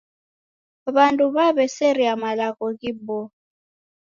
W'andu w'aw'eseria malagho ghiboo.